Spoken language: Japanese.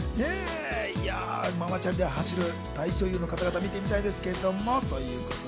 ママチャリで走る大女優の方々、見てみたいですけれども。